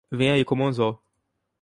Venha e coma o anzol